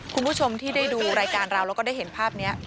คุณผู้ชมที่ได้ดูรายการเราแล้วก็ได้เห็นภาพนี้